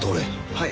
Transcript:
はい。